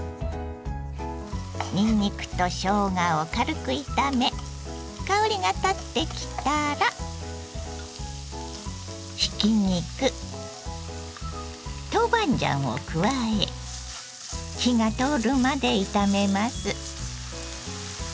にんにくとしょうがを軽く炒め香りがたってきたらひき肉豆板醤を加え火が通るまで炒めます。